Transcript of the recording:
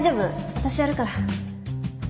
私やるから